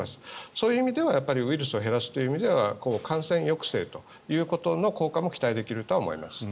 そういう意味ではウイルスを減らすという意味では感染抑制という効果も期待できると思います。